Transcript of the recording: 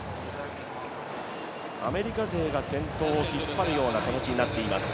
アメリカ勢が先頭を引っ張るような形になります。